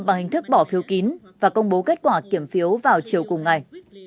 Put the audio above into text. bằng hình thức bỏ phiếu kín và công bố kết quả kiểm phiếu vào chiều cùng ngày